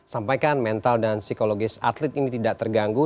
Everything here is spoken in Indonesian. sampaikan mental dan psikologis atlet ini tidak terganggu